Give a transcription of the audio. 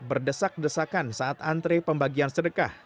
berdesak desakan saat antre pembagian sedekah